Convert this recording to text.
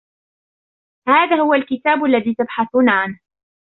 هذا هو الكتاب الذي تبحثون عنه.